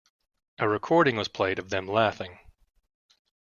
A recording was played of them laughing.